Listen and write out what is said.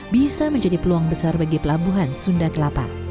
bisa menjadi peluang besar bagi pelabuhan sunda kelapa